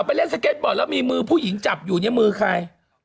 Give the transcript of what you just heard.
ไปเล่นสเก็ตบอร์ดแล้วมีมือผู้หญิงจับอยู่เนี่ยมือใคร